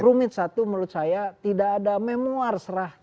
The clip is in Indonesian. rumit satu menurut saya tidak ada memoar serah